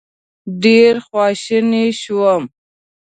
ډېر خواشینی شوم.